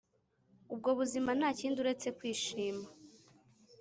ubwo buzima ntakindi uretse kwishima